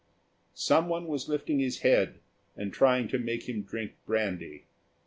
Someone was lifting his head, and trying to make him drink brandy.